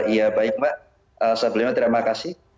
ya baik mbak sebelumnya terima kasih